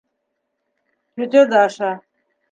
Тетя Даша: